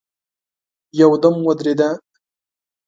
يودم ودرېده.